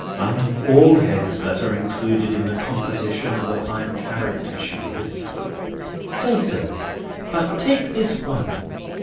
"Under all heads that are included in the composition of a fine character, she is." "Say so; but take this one.